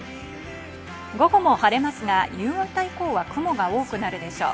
午後も晴れますが夕方以降は雲が多くなるでしょう。